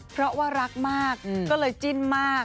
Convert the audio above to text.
เพราะว่ารักมากก็เลยจิ้นมาก